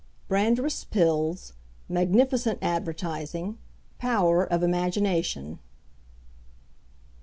BRANDRETH'S PILLS. MAGNIFICENT ADVERTISING. POWER OF IMAGINATION.